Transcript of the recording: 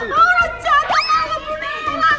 orang jatoh alhamdulillah